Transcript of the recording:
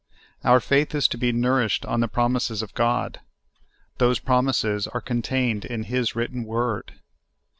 Our faith is to be nourished on the promises of God. Those promises are contained in His written Word.